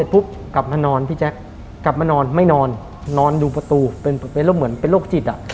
พี่แจ๊คกลับมานอนไม่นอนนอนดูประตูเหมือนเป็นโรคจิต